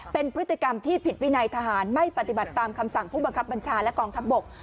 เป็นพฤติกรรมที่ผิดวินัยทหารไม่ปฏิบัติตามคำสั่งผู้บังคับบัญชาและกองทัพบก